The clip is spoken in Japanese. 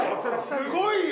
すごいよ！